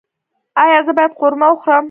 ایا زه باید قورمه وخورم؟